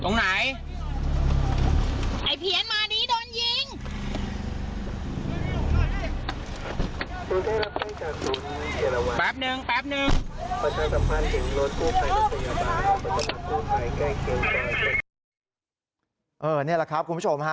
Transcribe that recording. นี่แหละครับคุณผู้ชมฮะ